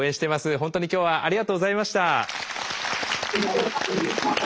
本当に今日はありがとうございました。